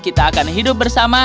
kita akan hidup bersama